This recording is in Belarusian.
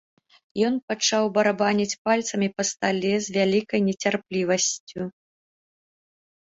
Ён пачаў барабаніць пальцамі па стале з вялікай нецярплівасцю.